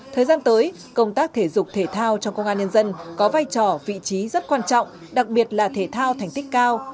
thời gian tới công tác thể dục thể thao trong công an nhân dân có vai trò vị trí rất quan trọng đặc biệt là thể thao thành tích cao